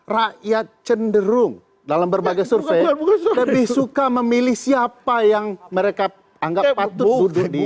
rakyat cenderung dalam berbagai survei lebih suka memilih siapa yang mereka anggap patut duduk di